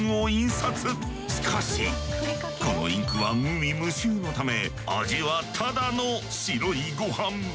しかしこのインクは無味無臭のため味はただの白いごはん。